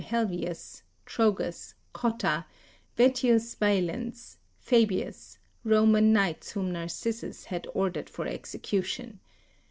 Helvius, Trogus, Cotta, Vettius Valens, Fabius, Roman Knights whom Narcissus had ordered for execution.